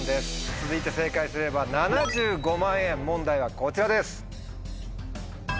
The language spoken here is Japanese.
続いて正解すれば７５万円問題はこちらです。